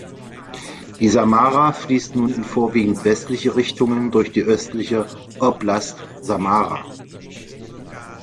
Die Samara fließt nun in vorwiegend westliche Richtungen durch die östliche Oblast Samara.